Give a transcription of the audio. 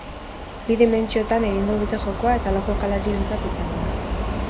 Bi dimentsiotan egingo dute jokoa eta lau jokalarirentzat izango da.